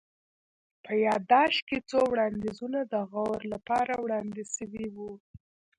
په يا ياداشت کي څو وړانديزونه د غور لپاره وړاندي سوي وه